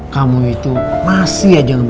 kamu itu masih aja